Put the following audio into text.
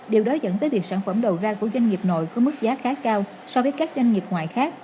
điều đó dẫn tới việc sản phẩm đầu ra của doanh nghiệp nội có mức giá khá cao so với các doanh nghiệp ngoại khác